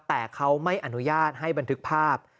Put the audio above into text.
แต่เขาไม่อนุญาตให้บันทึกภาพ